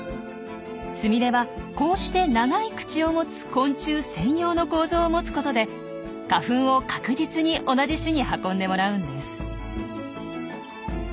スミレはこうして長い口を持つ昆虫専用の構造を持つことで花粉を確実に同じ種に運んでもらうんです。